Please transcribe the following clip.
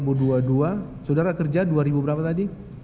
dua ribu ini kan dua ribu dua puluh dua saudara kerja dua ribu berapa tadi